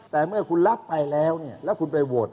แต่เมื่อคุณรับไปแล้วแล้วคุณไปโหวต